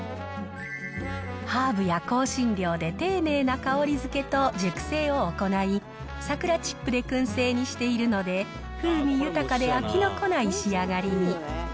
ハーブや香辛料で丁寧な香りづけと熟成を行い、桜チップでくん製にしているので、風味豊かで飽きの来ない仕上がりに。